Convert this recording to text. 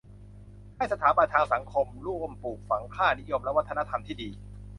ให้สถาบันทางสังคมร่วมปลูกฝังค่านิยม และวัฒนธรรมที่ดี